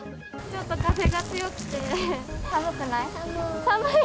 ちょっと風が強くて、寒くな寒い。